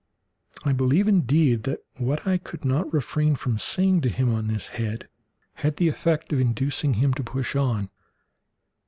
I believe, indeed, that what I could not refrain from saying to him on this head had the effect of inducing him to push on.